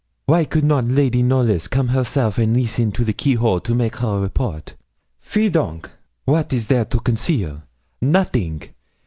'Wy could not Lady Knollys come herself and leesten to the keyhole to make her report? Fi donc! wat is there to conceal? Nothing.